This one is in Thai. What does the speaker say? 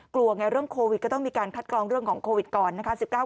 กลัวไงเรื่องโควิดก็ต้องมีการคัดกรองเรื่องของโควิดก่อนนะคะ